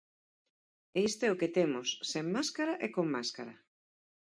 E isto é o que temos, sen máscara e con máscara.